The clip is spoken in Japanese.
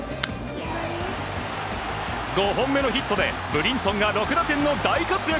５本目のヒットでブリンソンが６打点の大活躍！